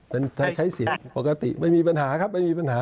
เป็นใช้สิทธิ์ปกติไม่มีปัญหาครับไม่มีปัญหา